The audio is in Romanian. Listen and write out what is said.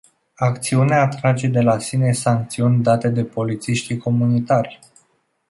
Acțiunea atrage de la sine sancțiuni date de polițiștii comunitari.